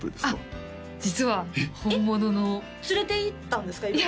あっ実は本物の連れて行ったんですか？